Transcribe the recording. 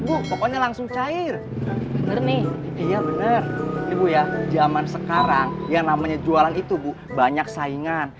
bener iya bener ibu ya zaman sekarang yang namanya jualan itu bu banyak saingan